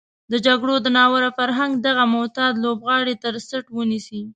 د جګړې د ناروا فرهنګ دغه معتاد لوبغاړی تر څټ ونيسي.